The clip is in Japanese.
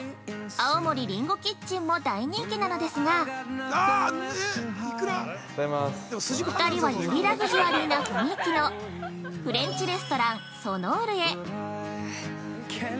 青森りんごキッチンも大人気なのですが２人はよりラグジュアリーな雰囲気のフレンチレストラン、ソノールへ。